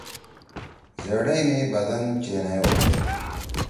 زیڑئی می بدن چِنئی ہودُو۔